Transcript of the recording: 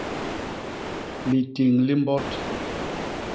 Litiñ li mbot.